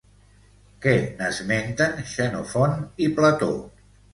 Què n'esmenten Xenofont i Plató?